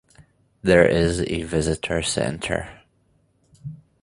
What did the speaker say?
There is a Visitor Center.